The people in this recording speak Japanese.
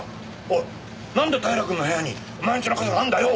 おいなんで平くんの部屋にお前んちの傘があるんだよ！